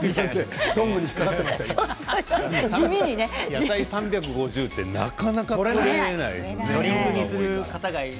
野菜３５０ってなかなかとれないよね。